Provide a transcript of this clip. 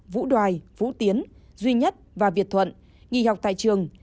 vũ đoài phú tiến duy nhất và việt thuận nghỉ học tại trường